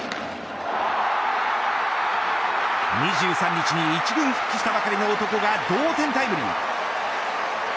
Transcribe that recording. ２３日に１軍復帰したばかりの男が同点タイムリー。